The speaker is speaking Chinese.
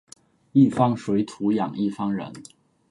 一方水土养一方人